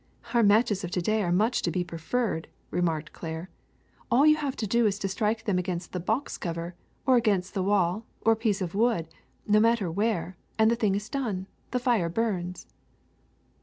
'' ^*Our matches of to day are much to be pre ferred,'' remarked Claire. *^A11 you have to do is to strike them against the box cover or against the wall or a piece of wood, no matter where, and the thing is done: the fire burns."